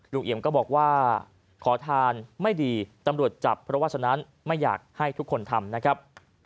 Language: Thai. เอี่ยมก็บอกว่าขอทานไม่ดีตำรวจจับเพราะว่าฉะนั้นไม่อยากให้ทุกคนทำนะครับ